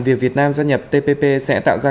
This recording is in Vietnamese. việc việt nam gia nhập tpp sẽ tạo ra